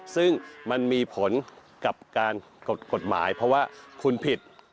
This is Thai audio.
ซึ่งมันมีผลกับการกฎหมายเพราะว่าคุณผิด